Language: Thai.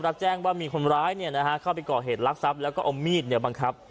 รับแจ้งว่ามีคนร้ายเนี่ยนะฮะเข้าไปก่อเหตุลักษัพแล้วก็เอามีดเนี่ยบังคับ